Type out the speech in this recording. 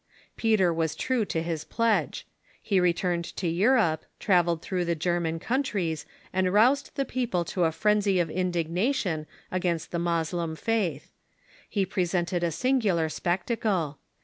Peter was true to his pledge. He returned to Europe, travelled through the German countries, and aroused the people to a frenzy of indignation against the Moslem faith. He presented a singular spectacle.